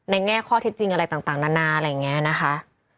แง่ข้อเท็จจริงอะไรต่างนานาอะไรอย่างนี้นะคะ